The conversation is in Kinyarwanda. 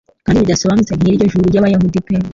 Kandi bidasobanutse nkiryo juru ryabayahudi pe